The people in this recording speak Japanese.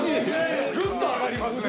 ぐっと上がりますね。